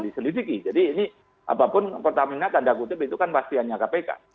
jadi ini apapun pertamina tanda kutip itu kan pastianya kpk